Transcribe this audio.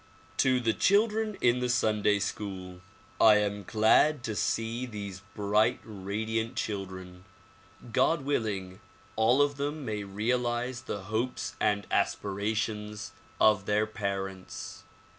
To the children in the Sunday School. 1 am glad to see these bright, radiant children. God willing, all of them may realize the hopes and aspirations of their parents.